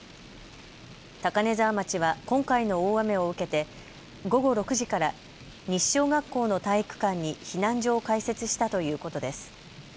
高根沢町は今回の大雨を受けて午後６時から西小学校の体育館に避難所を開設したということです。